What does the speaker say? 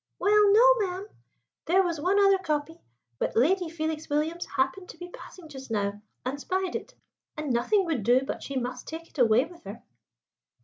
"Well no, ma'am. There was one other copy; but Lady Felix Williams happened to be passing just now, and spied it, and nothing would do but she must take it away with her."